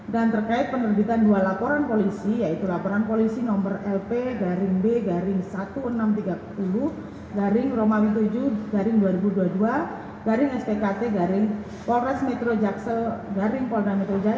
dan terkait penerbitan dua laporan polisi yaitu laporan polisi nomor lp garing b garing seribu enam ratus tiga puluh garing romawi tujuh garing dua ribu dua puluh dua garing spkt garing polres metro jakse garing polna metro jaya